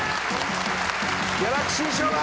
ギャラクシー賞だ！